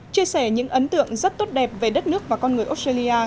chia sẻ những ấn tượng rất tốt đẹp về đất nước và con người australia